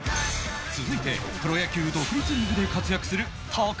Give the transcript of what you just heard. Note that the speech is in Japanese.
続いてプロ野球独立リーグで活躍する